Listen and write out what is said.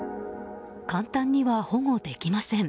簡単には保護できません。